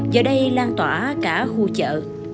giờ đây lan tỏa cả khu chợ